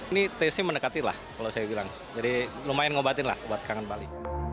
ini taste nya mendekati lah kalau saya bilang jadi lumayan ngobatin lah buat kangen bali